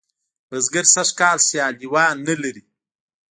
بزگر سږ کال سیاليوان نه لري.